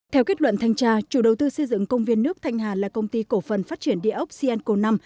theo kết luận thanh tra chủ đầu tư xây dựng công viên nước thanh hà là công ty cổ phần phát triển địa ốc sienco năm